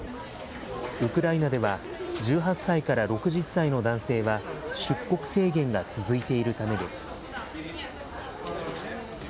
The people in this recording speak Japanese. ウクライナでは、１８歳から６０歳の男性は出国制限が続いているためです。